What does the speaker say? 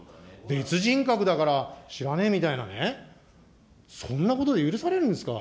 別人格だから知らねえみたいなね、そんなことで許されるんですか。